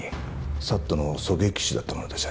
ＳＡＴの狙撃手だった者です。